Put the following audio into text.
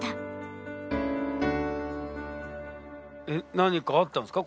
え何かあったんですか？